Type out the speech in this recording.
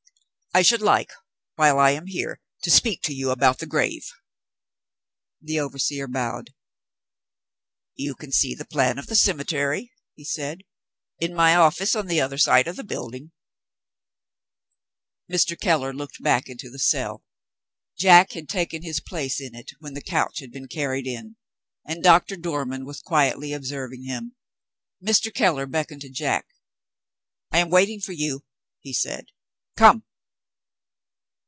"I should like, while I am here, to speak to you about the grave." The overseer bowed. "You can see the plan of the cemetery," he said, "in my office on the other side of the building." Mr. Keller looked back into the cell. Jack had taken his place in it, when the couch had been carried in; and Doctor Dormann was quietly observing him. Mr. Keller beckoned to Jack. "I am waiting for you," he said. "Come!"